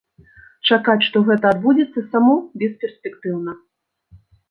Чакаць, што гэта адбудзецца само, бесперспектыўна.